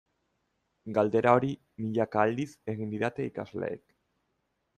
Galdera hori milaka aldiz egin didate ikasleek.